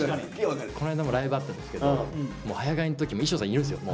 この間もライブあったんですけど早替えの時衣装さんいるんですよ